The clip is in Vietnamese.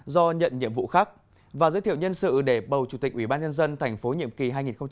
do nhận nhiệm vụ khác và giới thiệu nhân sự để bầu chủ tịch ủy ban nhân dân tp nhiệm kỳ hai nghìn một mươi sáu hai nghìn hai mươi một